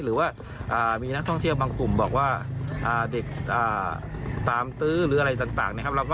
หรือว่ามีนักท่องเที่ยวบางกลุ่มบอกว่าเด็กตามตื้อหรืออะไรต่างนะครับ